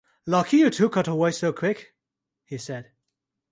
"Lucky you two cut away so quick," he said.